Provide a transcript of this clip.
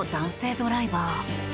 ドライバー。